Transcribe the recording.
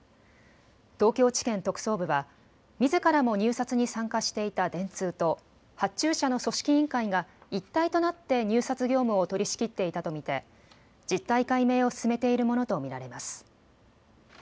東京地検特捜部はみずからも入札に参加していた電通と発注者の組織委員会が一体となって入札業務を取りしきっていたと見て実態解明を進めているものと見られます。